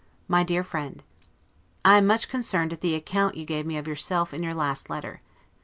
MY DEAR FRIEND: I am much concerned at the account you gave me of yourself, in your last letter.